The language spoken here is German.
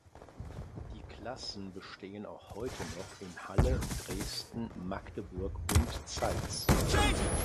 Die Klassen bestehen auch heute noch in Halle, Dresden, Magdeburg und Zeitz.